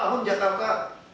banjir banjir ngarang aja